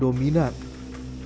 untuk membuatkan unsur dominan